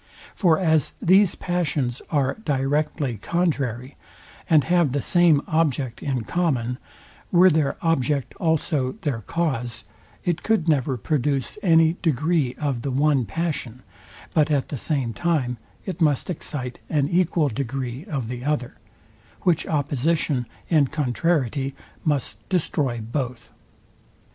For as these passions are directly contrary, and have the same object in common; were their object also their cause; it could never produce any degree of the one passion, but at the same time it must excite an equal degree of the other; which opposition and contrariety must destroy both.